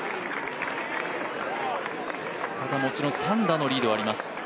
ただ、もちろん３打のリードはあります。